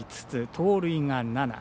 盗塁が７。